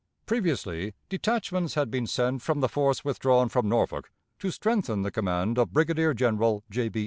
Previously, detachments had been sent from the force withdrawn from Norfolk to strengthen the command of Brigadier General J. B.